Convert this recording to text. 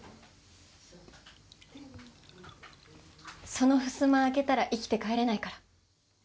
そのふすま開けたら生きて帰れないから。